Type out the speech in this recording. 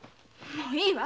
もういいわ。